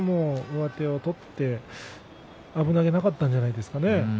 上手を取って危なげなかったんじゃないですかね。